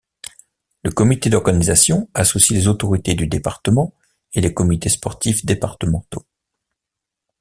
Le comité d'organisation associe les autorités du département et les comités sportifs départementaux.